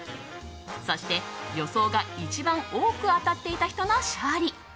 そして、予想が一番多く当たっていた人の勝利。